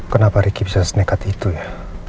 kenapa ricky bisa senekat itu ya